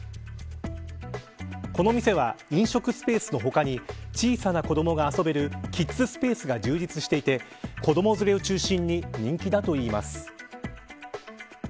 この店は、飲食スペースの他に小さな子どもが遊べるキッズスペースが充実していて子ども連れを中心に人気だといいます。